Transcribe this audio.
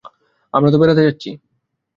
আমরা তো বেড়াতে যাচ্ছি।